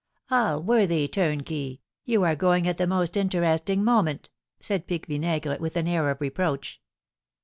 "Ah, worthy turnkey, you are going at the most interesting moment!" said Pique Vinaigre, with an air of reproach.